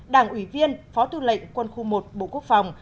đảng ủy viên phó tư lệnh quân khu một bộ quốc phòng